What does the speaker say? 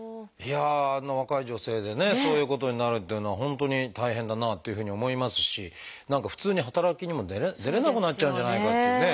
あんな若い女性でねそういうことになるっていうのは本当に大変だなっていうふうに思いますし何か普通に働きにも出れなくなっちゃうんじゃないかってね。